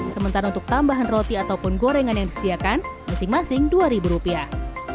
sementara untuk tambahan roti ataupun gorengan yang disediakan masing masing dua ribu rupiah